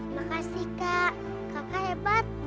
makasih kak kakak hebat